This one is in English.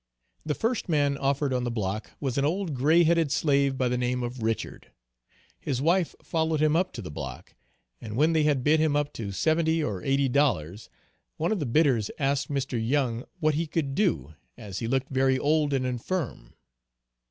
The first man offered on the block was an old gray headed slave by the name of Richard. His wife followed him up to the block, and when they had bid him up to seventy or eighty dollars one of the bidders asked Mr. Young what he could do, as he looked very old and infirm?